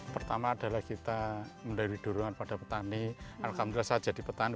pertama adalah kita memberi dorongan pada petani alhamdulillah saya jadi petani